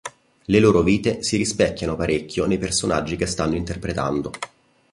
Le loro vite si rispecchiano parecchio nei personaggi che stanno interpretando.